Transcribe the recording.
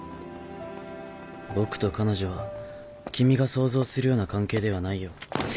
僕と彼女は君が想像するような関係ではないよ。